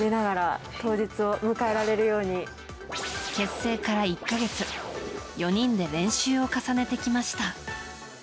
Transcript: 結成から１か月４人で練習を重ねてきました。